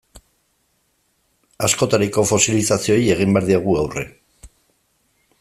Askotariko fosilizazioei egin behar diegu aurre.